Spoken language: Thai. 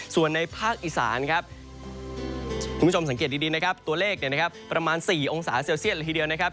ส่วนในภาคอีสานครับคุณผู้ชมสังเกตดีนะครับตัวเลขประมาณ๔องศาเซลเซียตเลยทีเดียวนะครับ